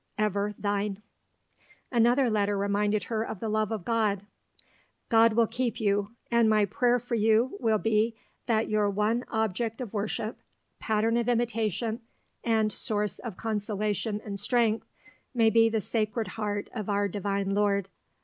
Ever Thine. Another letter reminded her of the love of God: God will keep you. And my prayer for you will be that your one object of Worship, Pattern of Imitation, and Source of consolation and strength may be the Sacred Heart of our Divine Lord.